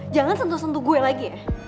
jangan sentuh sentuh gue lagi ya